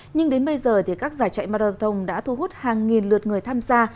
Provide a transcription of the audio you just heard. nhưng đến bây giờ thì các giải chạy marathon đã thu hút hàng nghìn lượt người tham gia